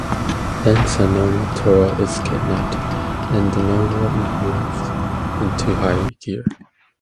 Then Sanoma Tora is kidnapped, and the novel moves into high gear.